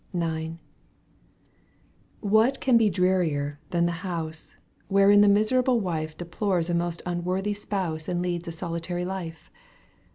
IX. 1 "What can be drearier than the house, Wherein the miserable wife Deplores a most unworthy spouse And leads a solitaiy life